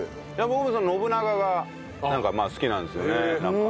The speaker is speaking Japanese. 僕信長が好きなんですよね。